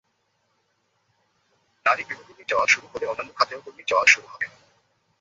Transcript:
নারী গৃহকর্মী যাওয়া শুরু হলে অন্যান্য খাতেও কর্মী যাওয়া শুরু হবে।